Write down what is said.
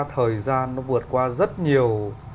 thời gian nó vượt qua rất nhiều